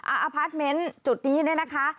อพาร์ทเมนต์จุดนี้เนี่ยนะคะ